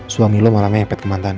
suami kamu malamnya yang pet kemantan